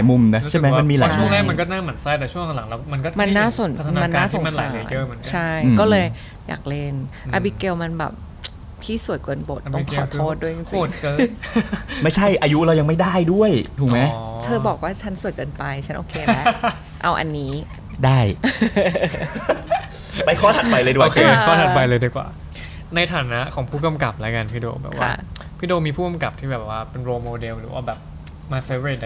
เอาจริงนะไม่ได้รับบทที่เป็นคนสวยเอาจริงนะไม่ได้รับบทที่เป็นคนสวยเอาจริงนะไม่ได้รับบทที่เป็นคนสวยเอาจริงนะไม่ได้รับบทที่เป็นคนสวยเอาจริงนะไม่ได้รับบทที่เป็นคนสวยเอาจริงนะไม่ได้รับบทที่เป็นคนสวยเอาจริงนะไม่ได้รับบทททที่เป็นคนสวยเอาจริงนะไม่ได้รับบททททท